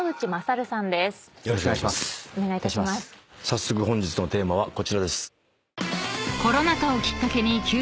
早速本日のテーマはこちらです。